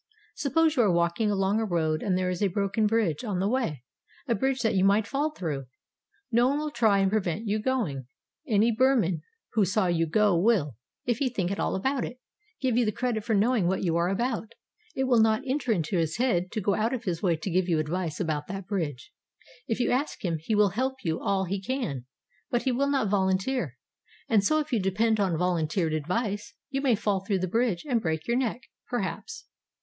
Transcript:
Suppose you are walking along a road and there is a broken bridge on the way, a bridge that you might fall through. No one will try and prevent you going. Any Burman who saw you go will, if he think at all about it, give you the credit for knowing what you are about. It will not enter into his head to go out of his way to give you advice about that bridge. If you ask him he will help you all he can, but he will not volunteer; and so if you depend on volunteered advice, you may fall through the bridge and break your neck, perhaps.